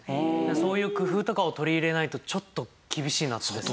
そういう工夫とかを取り入れないとちょっと厳しい夏ですね。